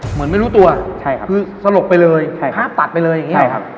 เหมือนไม่รู้ตัวคือสลบไปเลยภาพตัดไปเลยอย่างนี้